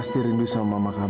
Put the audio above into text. pasti rindu sama mama anamamu kan